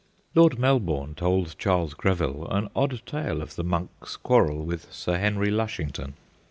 Lord Mel bourne told Charles Greville an odd tale of the Monk's quarrel with Sir Henry Lush ington.